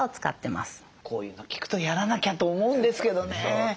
こういうの聞くとやらなきゃと思うんですけどね。